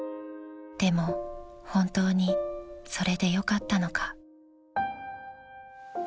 ［でも本当にそれでよかったのか？］